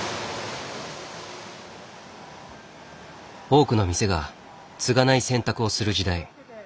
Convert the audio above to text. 多くの店が継がない選択をする時代。